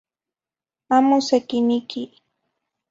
Amo sequiniqui.